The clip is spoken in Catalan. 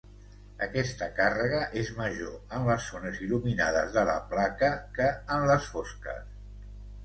Aquesta càrrega és major en les zones il·luminades de la placa que en les fosques.